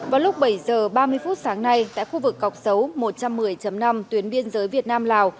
vào lúc bảy giờ ba mươi phút sáng nay tại khu vực cọc sấu một trăm một mươi năm tuyến biên giới việt nam lào